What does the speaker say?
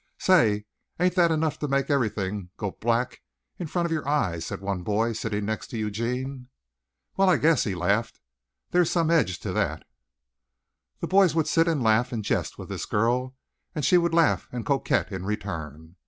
"Say, ain't that enough to make everything go black in front of your eyes," said one boy sitting next to Eugene. "Well, I guess," he laughed. "There's some edge to that." The boys would sit and laugh and jest with this girl, and she would laugh and coquette in return.